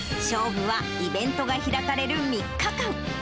勝負は、イベントが開かれる３日間。